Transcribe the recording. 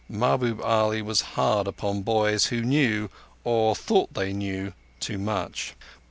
Mahbub Ali was hard upon boys who knew, or thought they knew, too much.